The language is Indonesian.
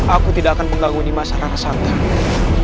aku tidak akan mengganggu ni masyarakat santan